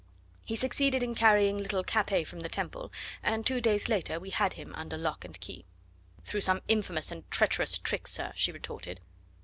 He succeeded in carrying little Capet from the Temple, and two days later we had him under lock, and key." "Through some infamous and treacherous trick, sir," she retorted.